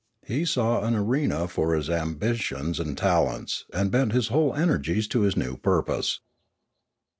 He saw an arena for his ambitions and talents, and bent his whole energies to his new purpose.